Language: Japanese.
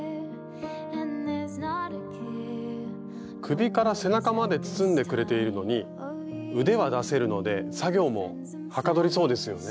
首から背中まで包んでくれているのに腕は出せるので作業もはかどりそうですよね。